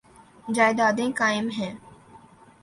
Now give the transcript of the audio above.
جائیدادیں قائم ہیں۔